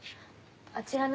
あちらの。